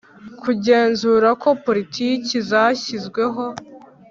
Kugenzura ko politiki zashyizweho